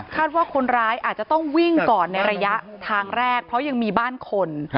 ว่าคนร้ายอาจจะต้องวิ่งก่อนในระยะทางแรกเพราะยังมีบ้านคน